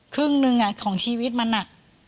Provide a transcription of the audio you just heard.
ครึ่งหนึ่งอ่ะของชีวิตมันอ่ะ